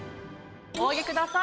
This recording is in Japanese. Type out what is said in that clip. お上げください。